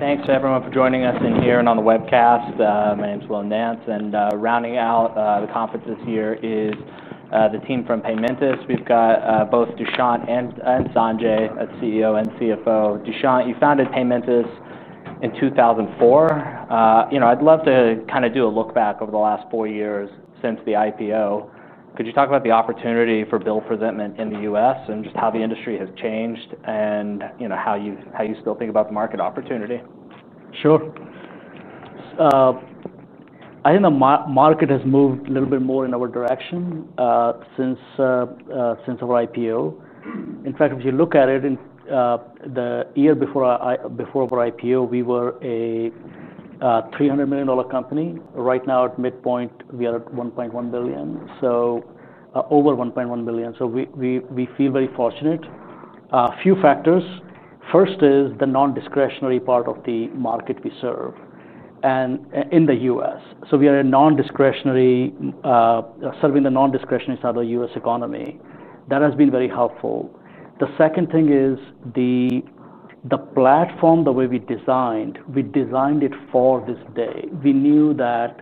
Thanks to everyone for joining us in here and on the webcast. My name is Will Nance, and rounding out the conference this year is the team from Paymentus. We've got both Dushyant and Sanjay, a CEO and CFO. Dushyant, you founded Paymentus in 2004. I'd love to kind of do a look back over the last four years since the IPO. Could you talk about the opportunity for bill presentment in the U.S. and just how the industry has changed and how you still think about the market opportunity? Sure. I think the market has moved a little bit more in our direction since our IPO. In fact, if you look at it, the year before our IPO, we were a $300 million company. Right now, at midpoint, we are at $1.1 billion, so over $1.1 billion. We feel very fortunate. A few factors. First is the non-discretionary part of the market we serve in the U.S. We are non-discretionary, serving the non-discretionary side of the U.S. economy. That has been very helpful. The second thing is the platform, the way we designed. We designed it for this day. We knew that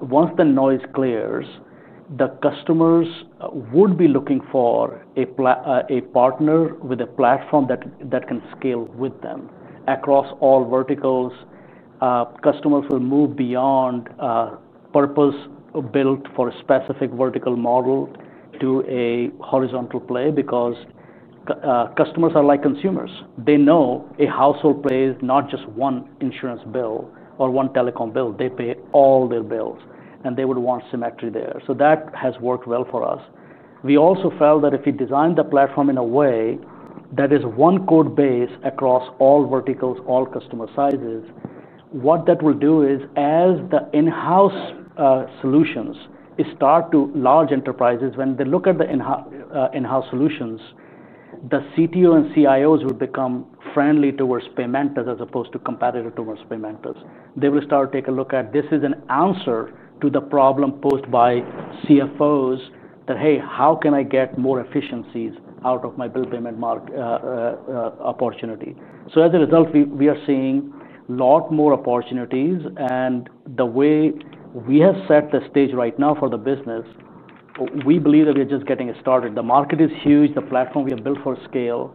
once the noise clears, the customers would be looking for a partner with a platform that can scale with them across all verticals. Customers will move beyond purpose-built for a specific vertical model to a horizontal play because customers are like consumers. They know a household pays not just one insurance bill or one telecom bill. They pay all their bills, and they would want symmetry there. That has worked well for us. We also felt that if we designed the platform in a way that is one code base across all verticals, all customer sizes, what that will do is as the in-house solutions start to large enterprises, when they look at the in-house solutions, the CTO and CIOs would become friendly towards Paymentus as opposed to competitive towards Paymentus. They will start to take a look at this as an answer to the problem posed by CFOs that, hey, how can I get more efficiencies out of my bill payment opportunity? As a result, we are seeing a lot more opportunities. The way we have set the stage right now for the business, we believe that we are just getting it started. The market is huge. The platform we have built for scale.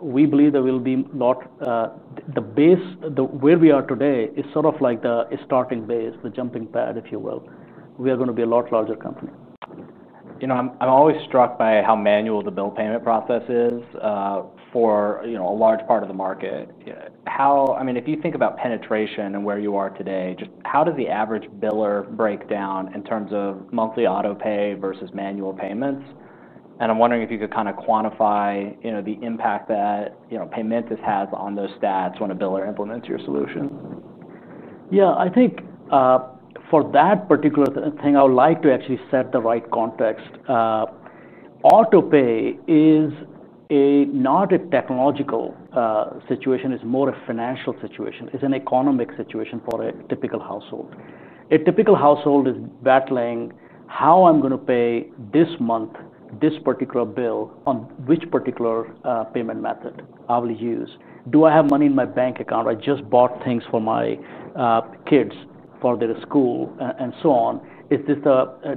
We believe the base where we are today is sort of like the starting base, the jumping pad, if you will. We are going to be a lot larger company. You know, I'm always struck by how manual the bill payment process is for a large part of the market. I mean, if you think about penetration and where you are today, just how does the average biller break down in terms of monthly autopay versus manual payments? I'm wondering if you could kind of quantify the impact that Paymentus has on those stats when a biller implements your solution. Yeah, I think for that particular thing, I would like to actually set the right context. Autopay is not a technological situation. It's more a financial situation. It's an economic situation for a typical household. A typical household is battling how I'm going to pay this month, this particular bill on which particular payment method I will use. Do I have money in my bank account? I just bought things for my kids for their school and so on.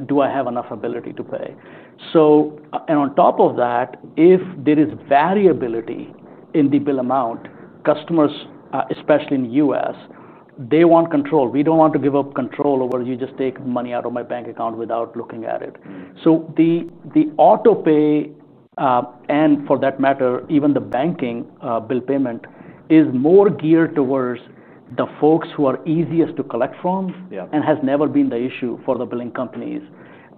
Do I have enough ability to pay? If there is variability in the bill amount, customers, especially in the U.S., want control. We don't want to give up control over you just take money out of my bank account without looking at it. The autopay, and for that matter, even the banking bill payment is more geared towards the folks who are easiest to collect from and has never been the issue for the billing companies.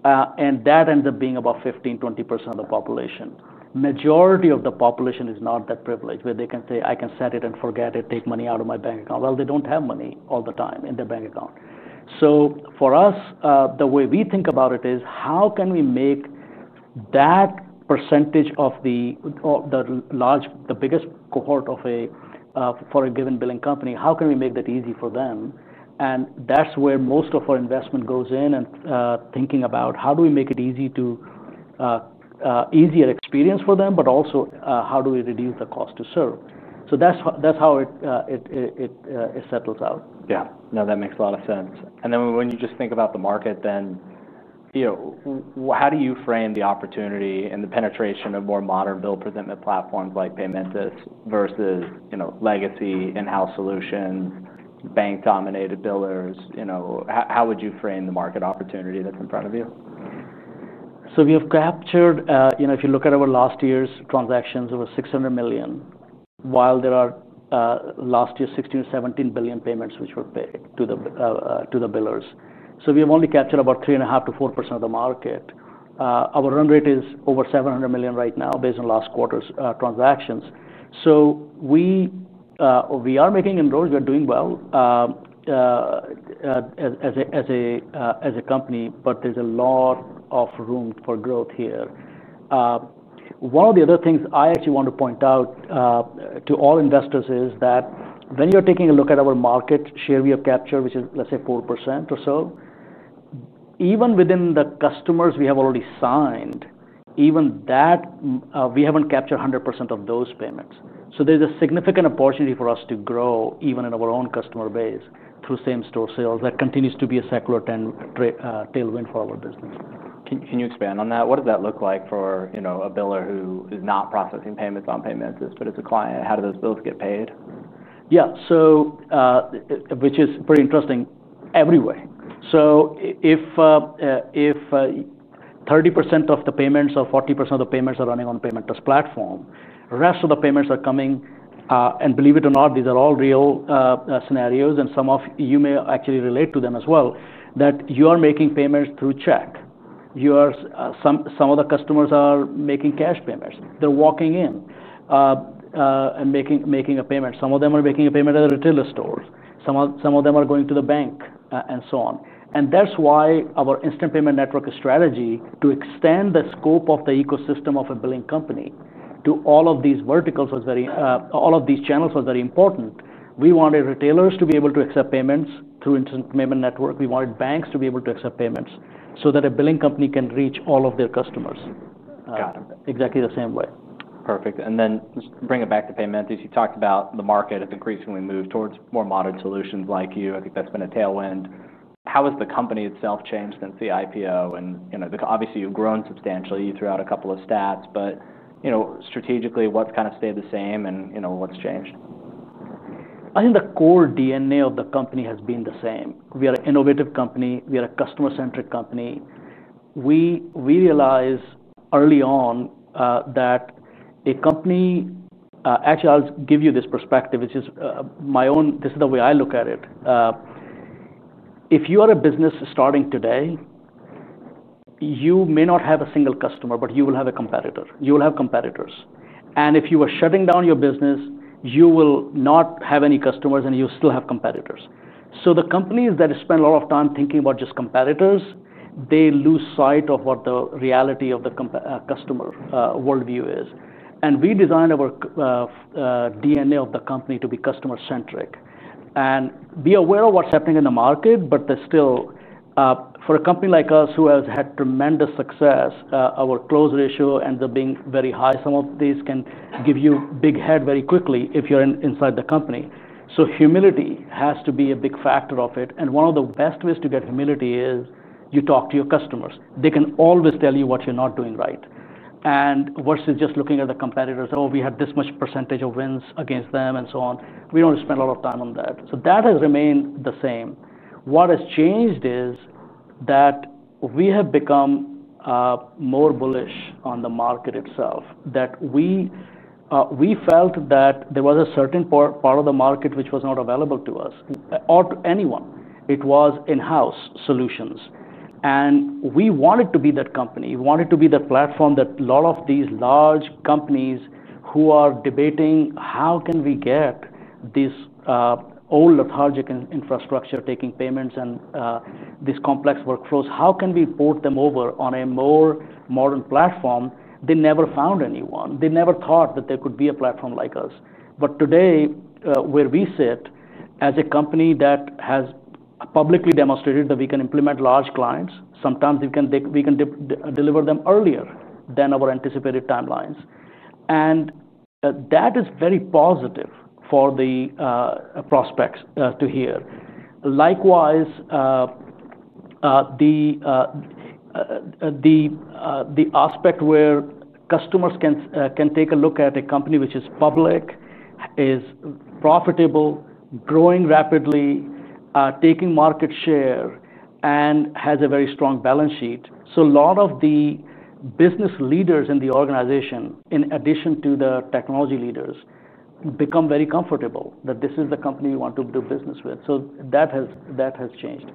That ends up being about 15% to 20% of the population. The majority of the population is not that privileged where they can say, I can set it and forget it, take money out of my bank account. They don't have money all the time in their bank account. For us, the way we think about it is how can we make that percentage of the large, the biggest cohort for a given billing company, how can we make that easy for them? That's where most of our investment goes in and thinking about how do we make it an easier experience for them, but also how do we reduce the cost to serve. That's how it settles out. Yeah, that makes a lot of sense. When you just think about the market, how do you frame the opportunity and the penetration of more modern bill presentment platforms like Paymentus versus legacy in-house solutions, bank-dominated billers? How would you frame the market opportunity that's in front of you? We have captured, you know, if you look at our last year's transactions, over $600 million, while there are last year's $16 or $17 billion payments which were paid to the billers. We have only captured about 3.5% to 4% of the market. Our run rate is over $700 million right now based on last quarter's transactions. We are making inroads. We're doing well as a company, but there's a lot of room for growth here. One of the other things I actually want to point out to all investors is that when you're taking a look at our market share we have captured, which is, let's say, 4% or so, even within the customers we have already signed, even that we haven't captured 100% of those payments. There's a significant opportunity for us to grow even in our own customer base through same-store sales. That continues to be a secular tailwind for our business. Can you expand on that? What does that look like for a biller who is not processing payments on Paymentus, but is a client? How do those bills get paid? Yeah, so which is pretty interesting everywhere. If 30% of the payments or 40% of the payments are running on the Paymentus platform, the rest of the payments are coming, and believe it or not, these are all real scenarios, and some of you may actually relate to them as well, that you are making payments through check. Some of the customers are making cash payments. They're walking in and making a payment. Some of them are making a payment at the retailer stores. Some of them are going to the bank and so on. That's why our Instant Payment Network strategy to extend the scope of the ecosystem of a billing company to all of these verticals, all of these channels, was very important. We wanted retailers to be able to accept payments through Instant Payment Network. We wanted banks to be able to accept payments so that a billing company can reach all of their customers. Got it. Exactly the same way. Perfect. Just bringing it back to Paymentus, you talked about the market has increasingly moved towards more modern solutions like you. I think that's been a tailwind. How has the company itself changed since the IPO? Obviously, you've grown substantially throughout a couple of stats, but strategically, what's kind of stayed the same and what's changed? I think the core DNA of the company has been the same. We are an innovative company. We are a customer-centric company. We realized early on that a company, actually, I'll give you this perspective, which is my own. This is the way I look at it. If you are a business starting today, you may not have a single customer, but you will have a competitor. You will have competitors. If you are shutting down your business, you will not have any customers, and you still have competitors. The companies that spend a lot of time thinking about just competitors lose sight of what the reality of the customer worldview is. We designed our DNA of the company to be customer-centric and be aware of what's happening in the market. There is still, for a company like us who has had tremendous success, our close ratio ends up being very high. Some of these can give you a big head very quickly if you're inside the company. Humility has to be a big factor of it. One of the best ways to get humility is you talk to your customers. They can always tell you what you're not doing right. Versus just looking at the competitors, oh, we had this much % of wins against them and so on. We don't spend a lot of time on that. That has remained the same. What has changed is that we have become more bullish on the market itself, that we felt that there was a certain part of the market which was not available to us or to anyone. It was in-house solutions. We wanted to be that company. We wanted to be that platform that a lot of these large companies who are debating how can we get this old lethargic infrastructure taking payments and these complex workflows, how can we port them over on a more modern platform? They never found anyone. They never thought that there could be a platform like us. Today, where we sit as a company that has publicly demonstrated that we can implement large clients, sometimes we can deliver them earlier than our anticipated timelines. That is very positive for the prospects to hear. Likewise, the aspect where customers can take a look at a company which is public, is profitable, growing rapidly, taking market share, and has a very strong balance sheet. A lot of the business leaders in the organization, in addition to the technology leaders, become very comfortable that this is the company we want to do business with. That has changed.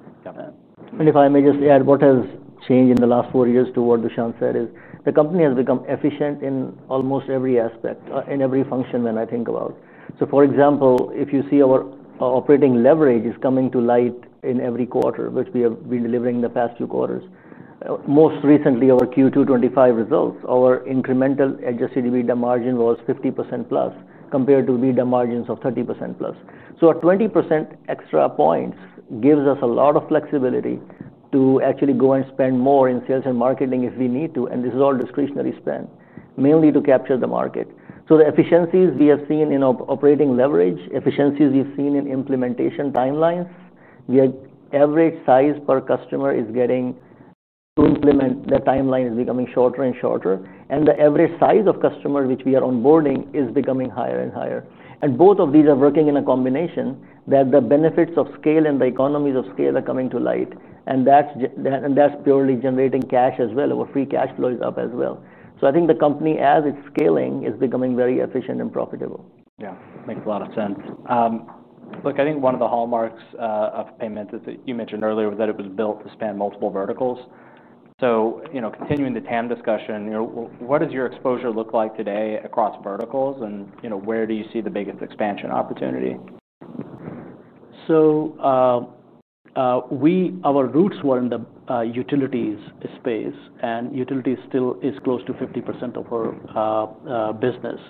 If I may just add, what has changed in the last four years to what Dushyant said is the company has become efficient in almost every aspect, in every function when I think about. For example, if you see our operating leverage is coming to light in every quarter, which we have been delivering in the past few quarters. Most recently, our Q2 2025 results, our incremental adjusted EBITDA margin was 50% plus compared to EBITDA margins of 30% plus. A 20% extra points gives us a lot of flexibility to actually go and spend more in sales and marketing if we need to. This is all discretionary spend, mainly to capture the market. The efficiencies we have seen in operating leverage, efficiencies we've seen in implementation timelines, the average size per customer is getting to implement the timeline is becoming shorter and shorter. The average size of customer which we are onboarding is becoming higher and higher. Both of these are working in a combination that the benefits of scale and the economies of scale are coming to light. That's purely generating cash as well. Our free cash flow is up as well. I think the company, as it's scaling, is becoming very efficient and profitable. Yeah. Makes a lot of sense. I think one of the hallmarks of Paymentus that you mentioned earlier was that it was built to span multiple verticals. Continuing the TAM discussion, what does your exposure look like today across verticals? Where do you see the biggest expansion opportunity? Our roots were in the utilities space, and utilities still is close to 50% of our business.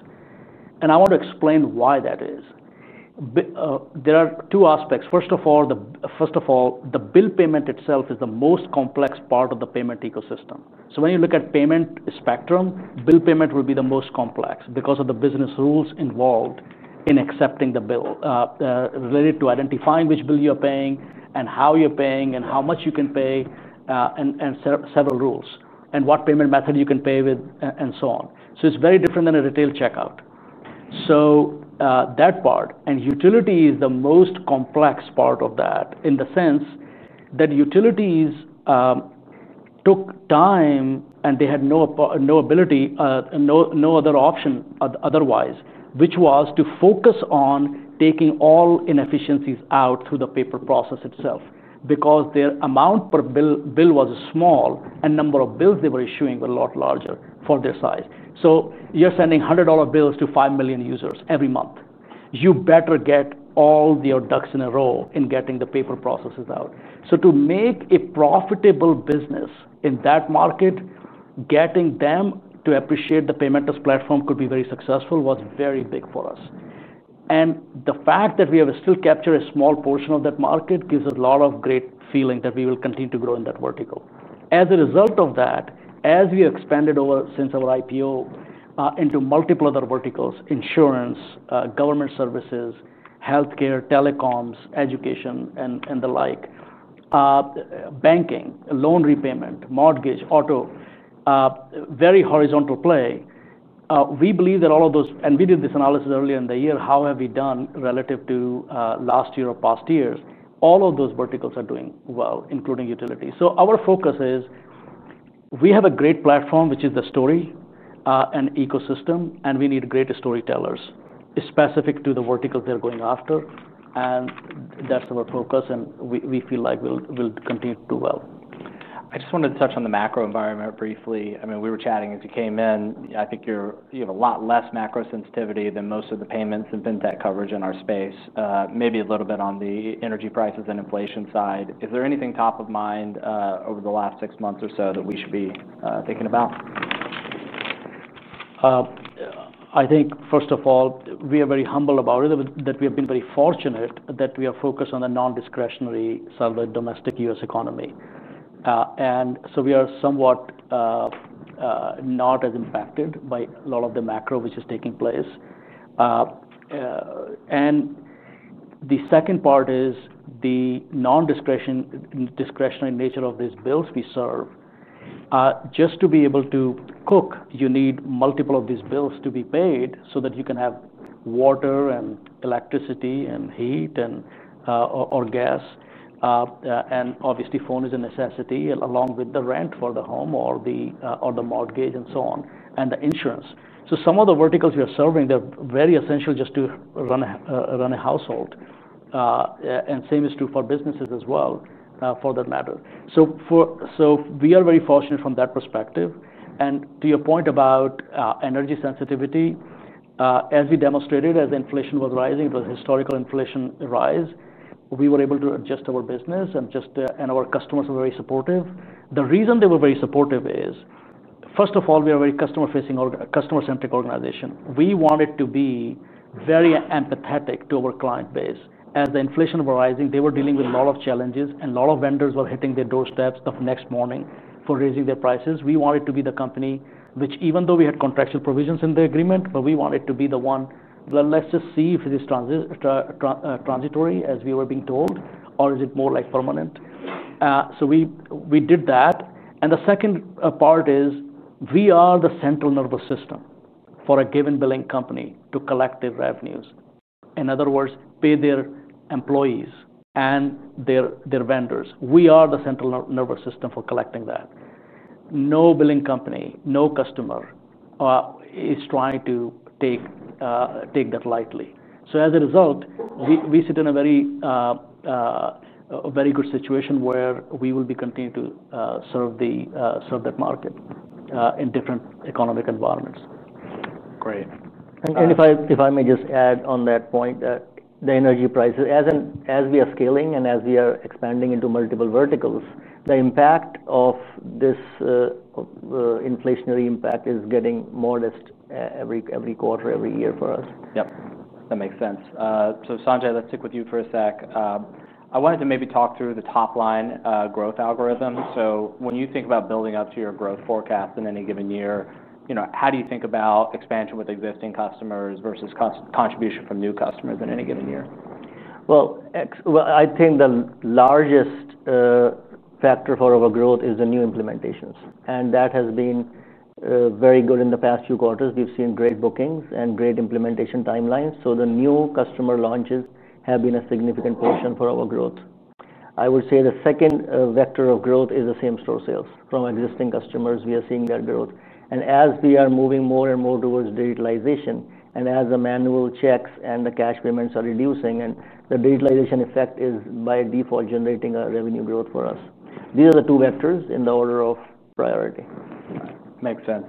I want to explain why that is. There are two aspects. First of all, the bill payment itself is the most complex part of the payment ecosystem. When you look at the payment spectrum, bill payment will be the most complex because of the business rules involved in accepting the bill related to identifying which bill you're paying and how you're paying and how much you can pay and several rules and what payment method you can pay with and so on. It is very different than a retail checkout. That part, and utility is the most complex part of that in the sense that utilities took time and they had no ability, no other option otherwise, which was to focus on taking all inefficiencies out through the paper process itself because their amount per bill was small and the number of bills they were issuing was a lot larger for their size. You're sending $100 bills to 5 million users every month. You better get all your ducks in a row in getting the paper processes out. To make a profitable business in that market, getting them to appreciate the Paymentus platform could be very successful was very big for us. The fact that we have still captured a small portion of that market gives us a lot of great feeling that we will continue to grow in that vertical. As a result of that, as we expanded since our IPO into multiple other verticals, insurance, government services, healthcare, telecoms, education, and the like, banking, loan repayment, mortgage, auto, very horizontal play, we believe that all of those, and we did this analysis earlier in the year, how have we done relative to last year or past years, all of those verticals are doing well, including utilities. Our focus is we have a great platform, which is the story and ecosystem, and we need great storytellers specific to the verticals they're going after. That's our focus, and we feel like we'll continue to do well. I just wanted to touch on the macro environment briefly. I mean, we were chatting as you came in. I think you have a lot less macro-economic sensitivity than most of the payments and fintech coverage in our space, maybe a little bit on the energy prices and inflation side. Is there anything top of mind over the last six months or so that we should be thinking about? I think, first of all, we are very humble about it, that we have been very fortunate that we are focused on the non-discretionary side of the domestic U.S. economy. We are somewhat not as impacted by a lot of the macro which is taking place. The second part is the non-discretionary nature of these bills we serve. Just to be able to cook, you need multiple of these bills to be paid so that you can have water and electricity and heat or gas. Obviously, phone is a necessity along with the rent for the home or the mortgage and the insurance. Some of the verticals you're serving, they're very essential just to run a household. The same is true for businesses as well, for that matter. We are very fortunate from that perspective. To your point about energy sensitivity, as we demonstrated, as inflation was rising, it was historical inflation rise. We were able to adjust our business, and our customers were very supportive. The reason they were very supportive is, first of all, we are a very customer-facing, customer-centric organization. We wanted to be very empathetic to our client base. As the inflation was rising, they were dealing with a lot of challenges, and a lot of vendors were hitting their doorsteps the next morning for raising their prices. We wanted to be the company which, even though we had contractual provisions in the agreement, we wanted to be the one, let's just see if it is transitory, as we were being told, or is it more like permanent. We did that. The second part is we are the central nervous system for a given billing company to collect their revenues. In other words, pay their employees and their vendors. We are the central nervous system for collecting that. No billing company, no customer is trying to take that lightly. As a result, we sit in a very good situation where we will continue to serve that market in different economic environments. Great. If I may just add on that point, the energy prices, as we are scaling and as we are expanding into multiple verticals, the impact of this inflationary impact is getting modest every quarter, every year for us. Yep, that makes sense. Sanjay, let's stick with you for a sec. I wanted to maybe talk through the top line growth algorithm. When you think about building up to your growth forecast in any given year, how do you think about expansion with existing customers versus contribution from new customers in any given year? I think the largest factor for our growth is the new implementations. That has been very good in the past few quarters. We've seen great bookings and great implementation timelines. The new customer launches have been a significant portion for our growth. I would say the second vector of growth is the same-store sales. From existing customers, we are seeing that growth. As we are moving more and more towards digitalization, and as the manual checks and the cash payments are reducing, the digitalization effect is by default generating revenue growth for us. These are the two vectors in the order of priority. Makes sense.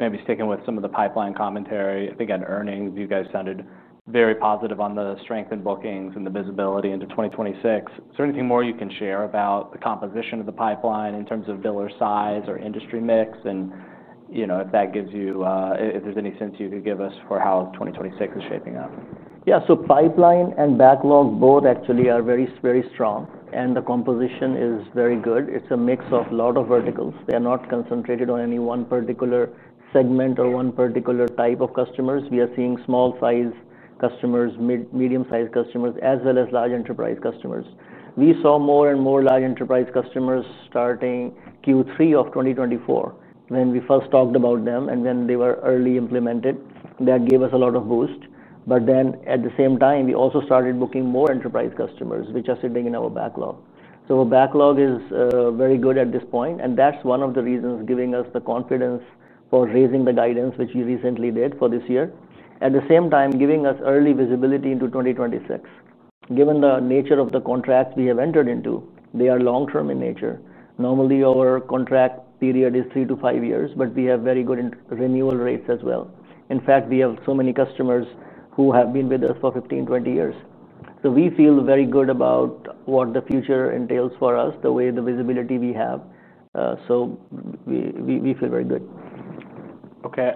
Maybe sticking with some of the pipeline commentary, I think on earnings, you guys sounded very positive on the strength in bookings and the visibility into 2026. Is there anything more you can share about the composition of the pipeline in terms of biller size or industry mix? If there's any sense you could give us for how 2026 is shaping up. Yeah, so pipeline and backlog both actually are very, very strong. The composition is very good. It's a mix of a lot of verticals. They are not concentrated on any one particular segment or one particular type of customers. We are seeing small-sized customers, medium-sized customers, as well as large enterprise customers. We saw more and more large enterprise customers starting Q3 of 2024 when we first talked about them and when they were early implemented. That gave us a lot of boost. At the same time, we also started booking more enterprise customers, which are sitting in our backlog. Our backlog is very good at this point. That's one of the reasons giving us the confidence for raising the guidance, which we recently did for this year. At the same time, giving us early visibility into 2026. Given the nature of the contracts we have entered into, they are long-term in nature. Normally, our contract period is three to five years, but we have very good renewal rates as well. In fact, we have so many customers who have been with us for 15, 20 years. We feel very good about what the future entails for us, the way the visibility we have. We feel very good. Okay,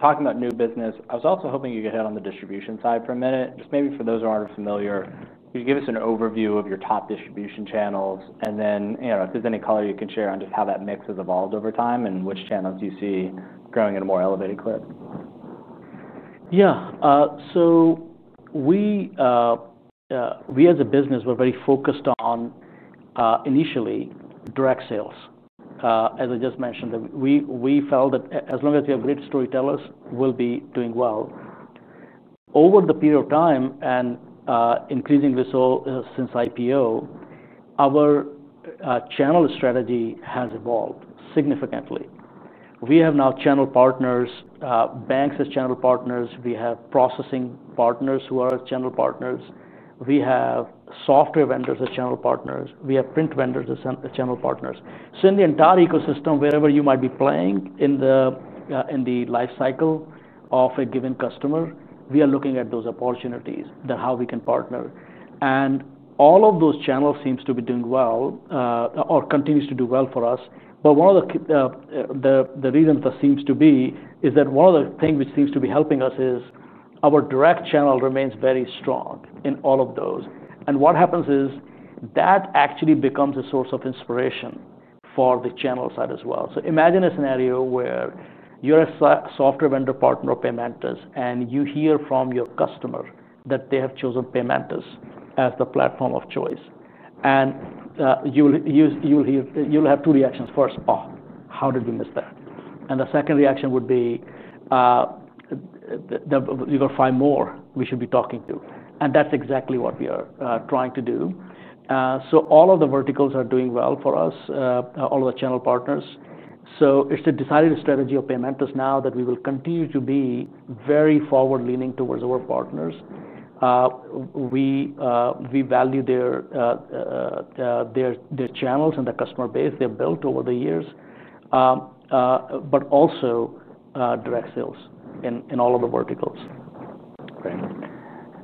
talking about new business, I was also hoping you could hit on the distribution side for a minute. Just maybe for those who aren't familiar, could you give us an overview of your top distribution channels? If there's any color you can share on just how that mix has evolved over time and which channels you see growing in a more elevated clip. Yeah, so we as a business were very focused on initially direct sales. As I just mentioned, we felt that as long as we have great storytellers, we'll be doing well. Over the period of time and increasing this all since IPO, our channel strategy has evolved significantly. We have now channel partners, banks as channel partners. We have processing partners who are channel partners. We have software vendors as channel partners. We have print vendors as channel partners. In the entire ecosystem, wherever you might be playing in the lifecycle of a given customer, we are looking at those opportunities that how we can partner. All of those channels seem to be doing well or continue to do well for us. One of the reasons that seems to be is that one of the things which seems to be helping us is our direct channel remains very strong in all of those. What happens is that actually becomes a source of inspiration for the channel side as well. Imagine a scenario where you're a software vendor partner of Paymentus and you hear from your customer that they have chosen Paymentus as the platform of choice. You'll have two reactions. First, oh, how did we miss that? The second reaction would be, you're going to find more we should be talking to. That's exactly what we are trying to do. All of the verticals are doing well for us, all of the channel partners. It's the decided strategy of Paymentus now that we will continue to be very forward-leaning towards our partners. We value their channels and the customer base they've built over the years, but also direct sales in all of the verticals. Great.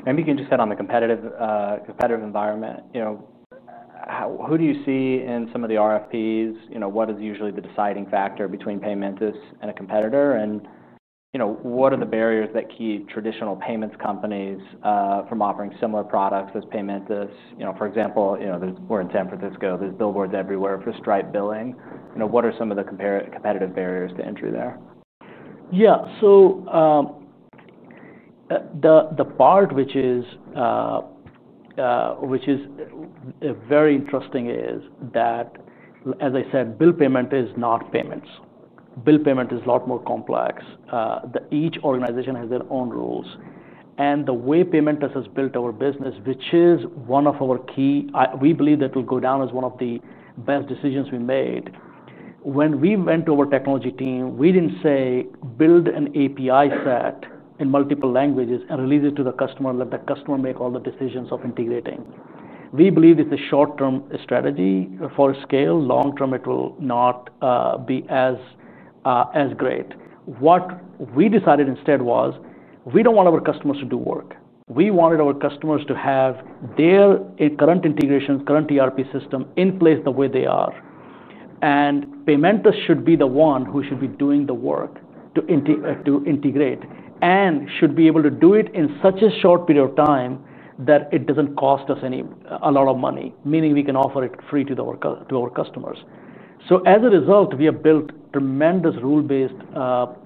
Maybe you can just hit on the competitive environment. Who do you see in some of the RFPs? What is usually the deciding factor between Paymentus and a competitor? What are the barriers that keep traditional payments companies from offering similar products as Paymentus? For example, we're in San Francisco. There's billboards everywhere for Stripe billing. What are some of the competitive barriers to entry there? Yeah, so the part which is very interesting is that, as I said, bill payment is not payments. Bill payment is a lot more complex. Each organization has their own rules. The way Paymentus has built our business, which is one of our key, we believe that it will go down as one of the best decisions we made. When we went to our technology team, we didn't say build an API set in multiple languages and release it to the customer, let the customer make all the decisions of integrating. We believe it's a short-term strategy for scale. Long-term, it will not be as great. What we decided instead was we don't want our customers to do work. We wanted our customers to have their current integrations, current ERP system in place the way they are. Paymentus should be the one who should be doing the work to integrate and should be able to do it in such a short period of time that it doesn't cost us a lot of money, meaning we can offer it free to our customers. As a result, we have built tremendous rule-based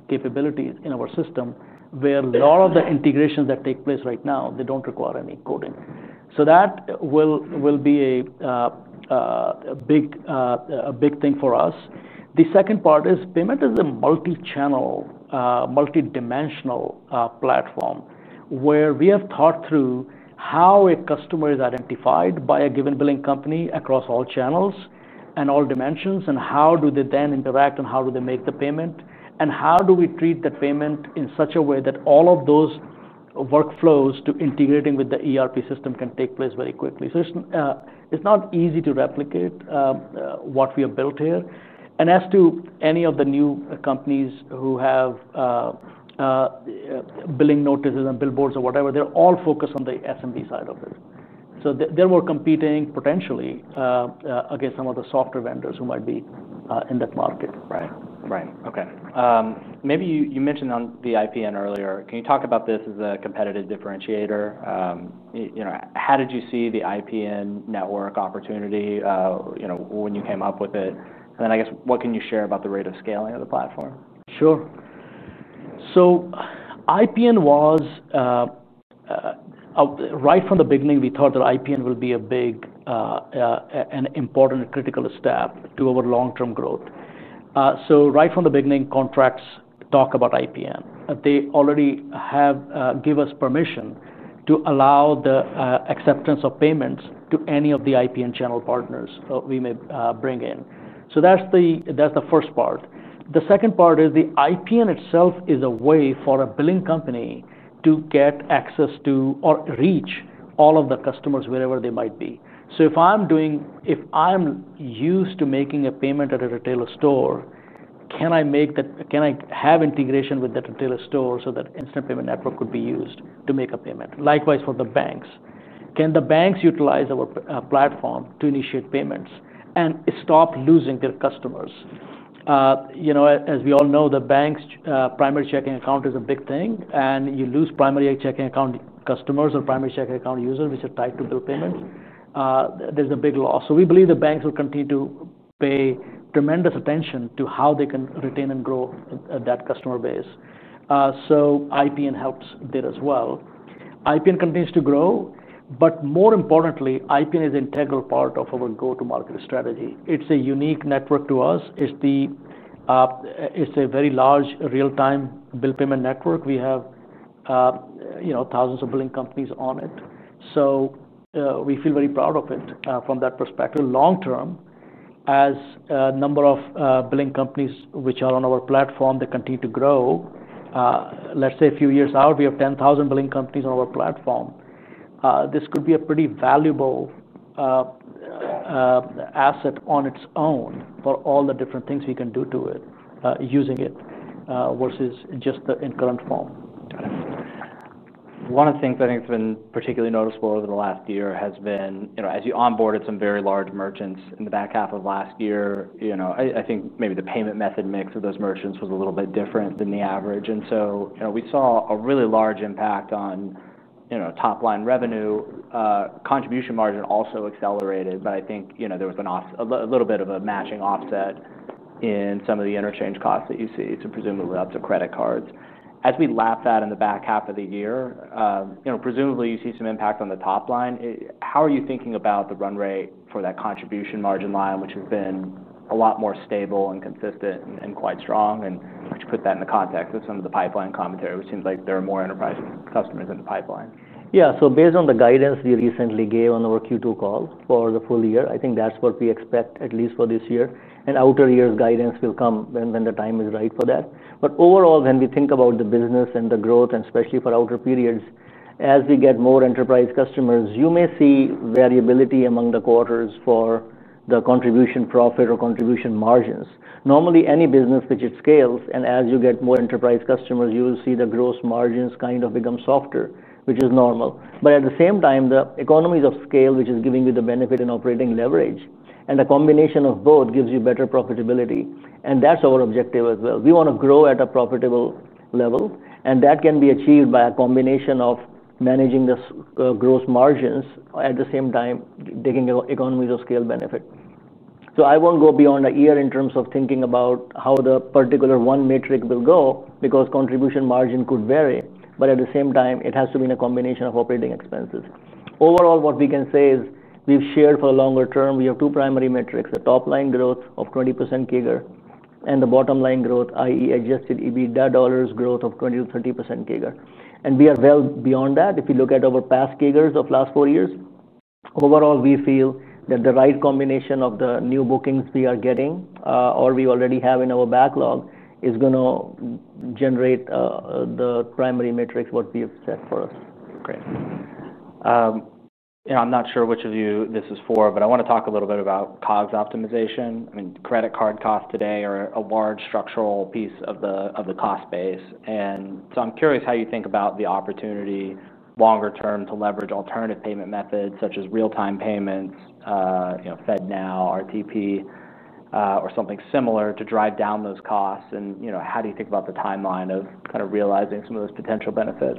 capabilities in our system where a lot of the integrations that take place right now, they don't require any coding. That will be a big thing for us. The second part is Paymentus is a multi-channel, multi-dimensional platform where we have thought through how a customer is identified by a given billing company across all channels and all dimensions, and how do they then interact, and how do they make the payment, and how do we treat the payment in such a way that all of those workflows to integrating with the ERP system can take place very quickly. It's not easy to replicate what we have built here. As to any of the new companies who have billing notices and billboards or whatever, they're all focused on the SMB side of it. They're more competing potentially against some of the software vendors who might be in that market. Right, right. Okay. Maybe you mentioned on the Instant Payment Network earlier. Can you talk about this as a competitive differentiator? How did you see the Instant Payment Network opportunity when you came up with it? What can you share about the rate of scaling of the platform? Sure. IPN was right from the beginning, we thought that IPN will be a big and important critical step to our long-term growth. Right from the beginning, contracts talk about IPN. They already give us permission to allow the acceptance of payments to any of the IPN channel partners we may bring in. That's the first part. The second part is the IPN itself is a way for a billing company to get access to or reach all of the customers wherever they might be. If I'm used to making a payment at a retailer store, can I have integration with that retailer store so that Instant Payment Network could be used to make a payment? Likewise for the banks. Can the banks utilize our platform to initiate payments and stop losing their customers? As we all know, the bank's primary checking account is a big thing, and you lose primary checking account customers or primary checking account users which are tied to bill payments. There's a big loss. We believe the banks will continue to pay tremendous attention to how they can retain and grow that customer base. IPN helps there as well. IPN continues to grow, but more importantly, IPN is an integral part of our go-to-market strategy. It's a unique network to us. It's a very large real-time bill payment network. We have thousands of billing companies on it. We feel very proud of it from that perspective. Long-term, as a number of billing companies which are on our platform, they continue to grow. Let's say a few years out, we have 10,000 billing companies on our platform. This could be a pretty valuable asset on its own for all the different things we can do to it using it versus just the incurrent form. One of the things I think has been particularly noticeable over the last year has been, as you onboarded some very large merchants in the back half of last year, I think maybe the payment method mix of those merchants was a little bit different than the average. We saw a really large impact on top line revenue. Contribution margin also accelerated, but I think there was a little bit of a matching offset in some of the interchange costs that you see. Presumably, that's the credit cards. As we lap that in the back half of the year, presumably you see some impact on the top line. How are you thinking about the run rate for that contribution margin line, which has been a lot more stable and consistent and quite strong? To put that into context with some of the pipeline commentary, it seems like there are more enterprise clients in the pipeline. Yeah, so based on the guidance we recently gave on our Q2 call for the full year, I think that's what we expect at least for this year. Outer years' guidance will come when the time is right for that. Overall, when we think about the business and the growth, and especially for outer periods, as we get more enterprise clients, you may see variability among the quarters for the contribution profit or contribution margins. Normally, any business which scales, and as you get more enterprise clients, you'll see the gross margins kind of become softer, which is normal. At the same time, the economies of scale, which is giving you the benefit in operating leverage, and a combination of both gives you better profitability. That's our objective as well. We want to grow at a profitable level. That can be achieved by a combination of managing the gross margins at the same time taking economies of scale benefit. I won't go beyond a year in terms of thinking about how the particular one metric will go because contribution margin could vary. At the same time, it has to be in a combination of operating expenses. Overall, what we can say is we've shared for a longer term, we have two primary metrics: the top line growth of 20% CAGR and the bottom line growth, i.e., adjusted EBITDA dollars growth of 20% to 30% CAGR. We are well beyond that. If you look at our past CAGRs of last four years, overall, we feel that the right combination of the new bookings we are getting or we already have in our backlog is going to generate the primary metrics what we have set for us. Great. I'm not sure which of you this is for, but I want to talk a little bit about COGS optimization. I mean, credit card costs today are a large structural piece of the cost base. I'm curious how you think about the opportunity longer term to leverage alternative payment methods such as real-time payments, FedNow RTP or something similar to drive down those costs. How do you think about the timeline of kind of realizing some of those potential benefits?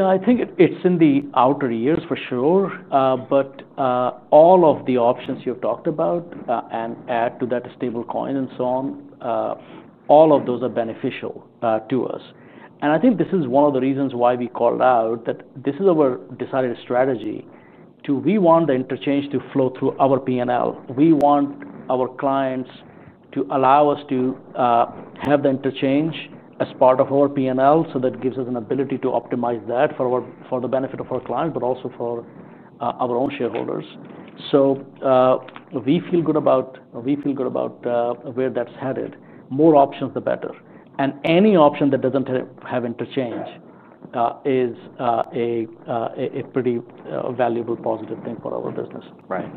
I think it's in the outer years for sure. All of the options you've talked about, and add to that a stablecoin and so on, all of those are beneficial to us. I think this is one of the reasons why we called out that this is our decided strategy. We want the interchange to flow through our P&L. We want our clients to allow us to have the interchange as part of our P&L. That gives us an ability to optimize that for the benefit of our clients, but also for our own shareholders. We feel good about where that's headed. More options, the better. Any option that doesn't have interchange is a pretty valuable positive thing for our business. Right.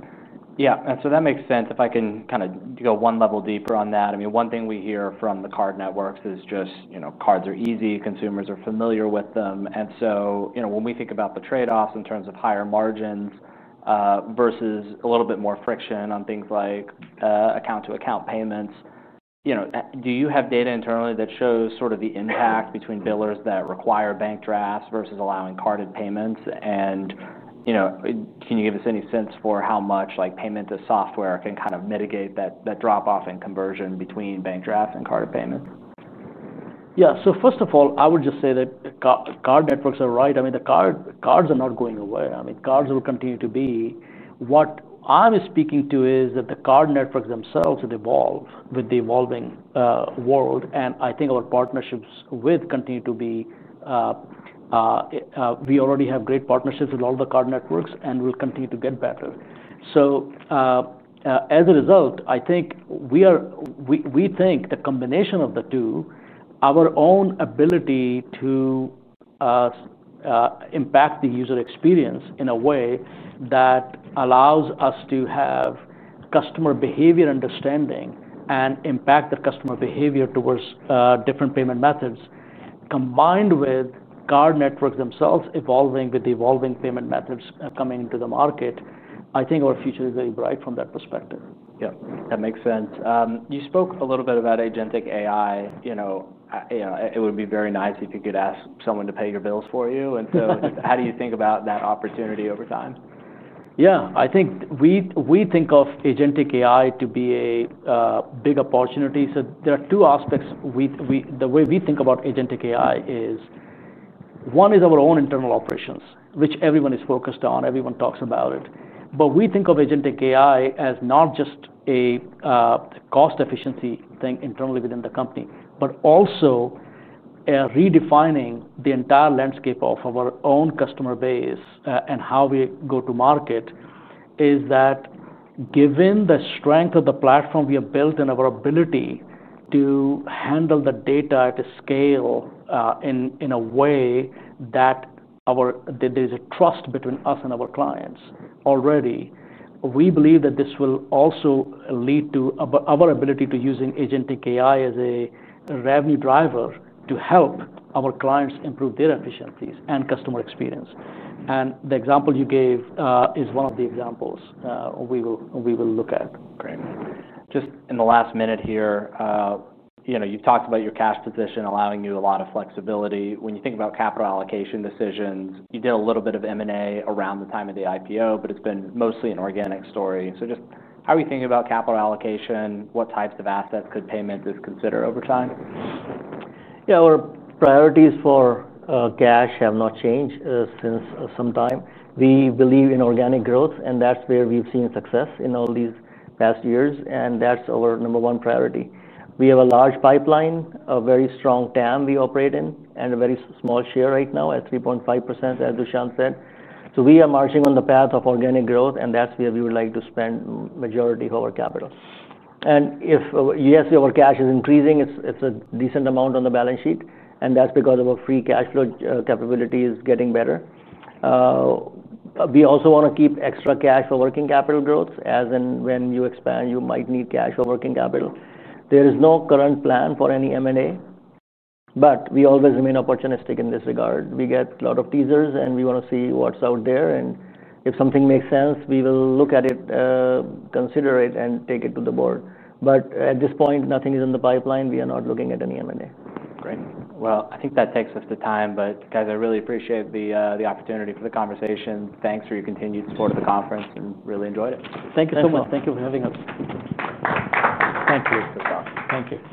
Yeah, that makes sense. If I can kind of go one level deeper on that, I mean, one thing we hear from the card networks is just, you know, cards are easy. Consumers are familiar with them. When we think about the trade-offs in terms of higher margins versus a little bit more friction on things like account-to-account payments, do you have data internally that shows the impact between billers that require bank drafts versus allowing carded payments? Can you give us any sense for how much Paymentus software can kind of mitigate that drop-off in conversion between bank drafts and carded payments? First of all, I would just say that card networks are right. I mean, the cards are not going away. Cards will continue to be. What I'm speaking to is that the card networks themselves will evolve with the evolving world. I think our partnerships will continue to be, we already have great partnerships with all the card networks and will continue to get better. As a result, I think we think the combination of the two, our own ability to impact the user experience in a way that allows us to have customer behavior understanding and impact the customer behavior towards different payment methods, combined with card networks themselves evolving with the evolving payment methods coming into the market, I think our future is very bright from that perspective. Yeah, that makes sense. You spoke a little bit about Agentic AI. It would be very nice if you could ask someone to pay your bills for you. Just how do you think about that opportunity over time? Yeah, I think we think of Agentic AI to be a big opportunity. There are two aspects. The way we think about Agentic AI is one is our own internal operations, which everyone is focused on. Everyone talks about it. We think of Agentic AI as not just a cost efficiency thing internally within the company, but also redefining the entire landscape of our own customer base and how we go to market is that given the strength of the platform we have built and our ability to handle the data to scale in a way that there is a trust between us and our clients already, we believe that this will also lead to our ability to use Agentic AI as a revenue driver to help our clients improve their efficiencies and customer experience. The example you gave is one of the examples we will look at. Great. Just in the last minute here, you've talked about your cash position allowing you a lot of flexibility. When you think about capital allocation decisions, you did a little bit of M&A around the time of the IPO, but it's been mostly an organic story. How are you thinking about capital allocation? What types of assets could Paymentus consider over time? Yeah, our priorities for cash have not changed since some time. We believe in organic growth, and that's where we've seen success in all these past years, and that's our number one priority. We have a large pipeline, a very strong TAM we operate in, and a very small share right now at 3.5%, as Dushyant said. We are marching on the path of organic growth, and that's where we would like to spend the majority of our capital. If our cash is increasing, it's a decent amount on the balance sheet, and that's because our free cash flow capability is getting better. We also want to keep extra cash for working capital growth, as in when you expand, you might need cash for working capital. There is no current plan for any M&A, but we always remain opportunistic in this regard. We get a lot of teasers, and we want to see what's out there, and if something makes sense, we will look at it, consider it, and take it to the board. At this point, nothing is in the pipeline. We are not looking at any M&A. Great. I think that takes up the time, but guys, I really appreciate the opportunity for the conversation. Thanks for your continued support of the conference and really enjoyed it. Thank you so much. Thank you for having us. Thank you, Dushyant. Thank you.